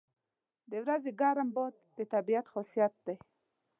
• د ورځې ګرم باد د طبیعت خاصیت دی.